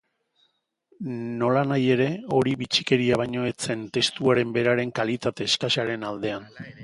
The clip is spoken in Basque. Nolanahi ere, hori bitxikeria baino ez zen testuaren beraren kalitate eskasaren aldean.